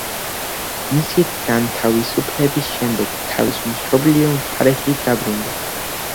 მისი განთავისუფლების შემდეგ თავის მშობლიურ მხარეში დაბრუნდა.